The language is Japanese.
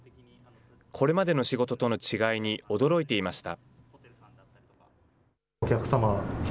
これまでの仕事との違いに驚いていました。